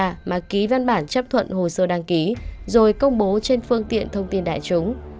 mà ký văn bản chấp thuận hồ sơ đăng ký rồi công bố trên phương tiện thông tin đại chúng